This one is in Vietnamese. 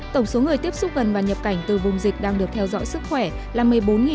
tổng số người tiếp xúc gần và nhập cảnh từ vùng dịch đang được theo dõi sức khỏe là một mươi bốn một trăm tám mươi bốn người